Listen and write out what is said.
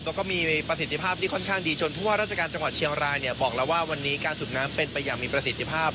แล้วก็มีประสิทธิภาพที่ค่อนข้างดีจนผู้ว่าราชการจังหวัดเชียงรายเนี่ยบอกแล้วว่าวันนี้การสูบน้ำเป็นไปอย่างมีประสิทธิภาพ